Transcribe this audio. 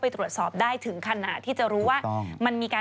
พี่ชอบแซงไหลทางอะเนาะ